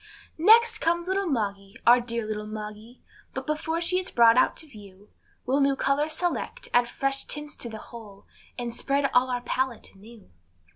Next comes little Moggy, our dear little Moggy, But before she is brought out to view, We'll new colors select, add fresh tints to the whole, And spread all on our pallet anew.